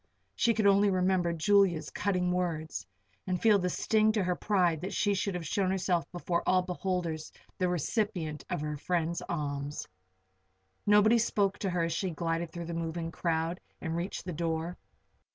She could only remember Julia's cutting words, and feel the sting to her pride that she should have shown herself before all beholders the recipient of her friend's alms. Nobody spoke to her as she glided through the moving crowd and reached the door.